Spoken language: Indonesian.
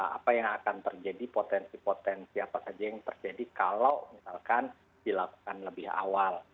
apa yang akan terjadi potensi potensi apa saja yang terjadi kalau misalkan dilakukan lebih awal